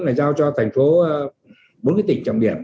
đã giao cho thành phố bốn tỉnh trọng điểm